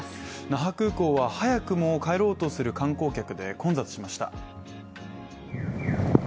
那覇空港は早くも帰ろうとする観光客で混雑しました。